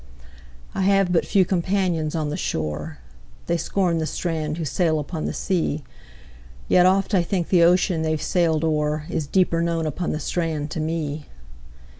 I have but few companions on the shore:They scorn the strand who sail upon the sea; Yet oft I think the ocean they've sailed o'erIs deeper known upon the strand to me.